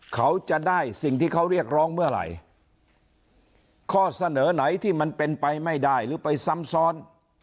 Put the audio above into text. เขาจะได้สิ่งที่เขาเรียกร้องเมื่อไหร่ข้อเสนอไหนที่มันเป็นไปไม่ได้หรือไปซ้ำซ้อน